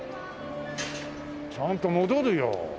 ちゃんと戻るよ。